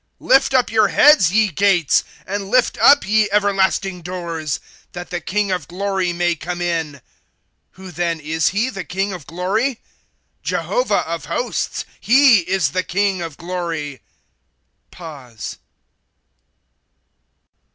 ^ Lift up your heads, ye gates, And lift up, ye everlasting doors. That the King of glory may come in. ,^^ Who then is he, the King of glory? Jehovah of hosts ; He is the King of glory.